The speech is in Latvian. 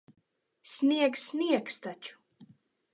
Snieg sniegs taču.